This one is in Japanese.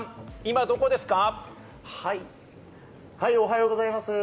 今どこですか？